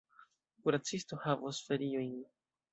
Kuracisto havos feriojn.